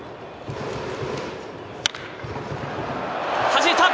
はじいた！